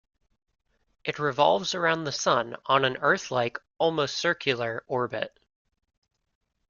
It revolves around the Sun on an Earth-like, almost circular, orbit.